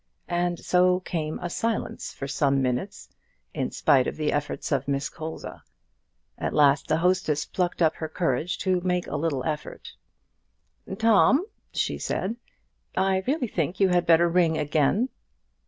And so came a silence for some minutes, in spite of the efforts of Miss Colza. At last the hostess plucked up her courage to make a little effort. "Tom," she said, "I really think you had better ring again."